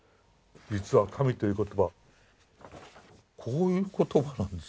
実は神という言葉はこういう言葉なんですよ。